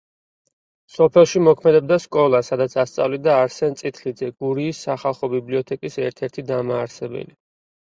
სოფელში მოქმედებდა სკოლა, სადაც ასწავლიდა არსენ წითლიძე, გურიის სახალხო ბიბლიოთეკის ერთ-ერთი დამაარსებელი.